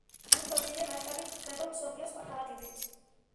უფრო მცირე მასშტაბით გვხვდება მსოფლიოს სხვა ქალაქებშიც.